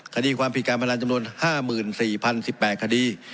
คดีความผิดการพนันจำนวน๕๔๐๑๘คดี